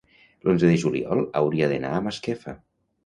l'onze de juliol hauria d'anar a Masquefa.